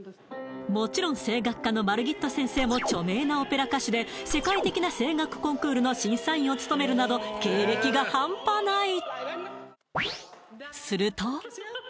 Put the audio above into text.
もちろん声楽科のマルギット先生も著名なオペラ歌手で世界的な声楽コンクールの審査員を務めるなど経歴がハンパない